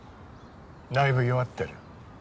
だいぶ弱ってる。